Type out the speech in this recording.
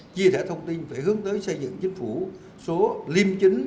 chia sẻ thông tin phải hướng tới xây dựng chính phủ số liêm chính